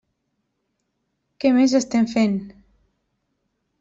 Què més estem fent?